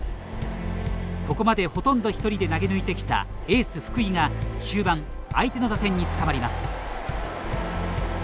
ここまで、ほとんど１人で投げ抜いてきたエース福井が終盤、相手の打線に捕まります。